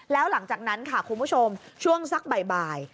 แล้วหลังจากนั้นค่ะคุณผู้ชมช่วงสักบ่าย